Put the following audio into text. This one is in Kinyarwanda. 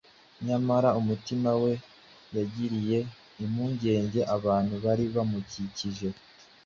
Nyamara umutima we wagiriye impungenge abantu bari bamukikije,